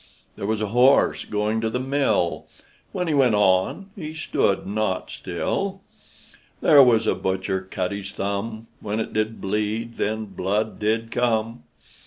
There was a horse going to the mill, When he went on, he stood not still. There was a butcher cut his thumb, When it did bleed, then blood did come.